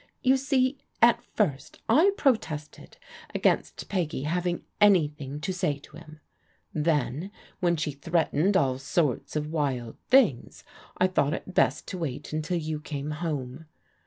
You see, at first, I pro tested against Peggy having anything to say to him ; then when she threatened all sorts of wild things, I thought it best to wait until you came home.